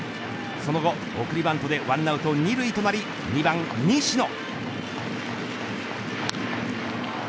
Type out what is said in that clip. その後送りバントで１アウト２塁となり２番、西野。